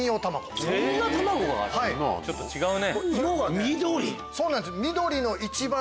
ちょっと違うね。